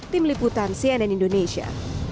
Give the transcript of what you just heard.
tim liputan cnn indonesia